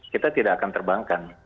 kita tidak akan terbangkan